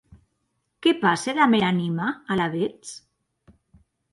Qué passe damb era anima, alavetz?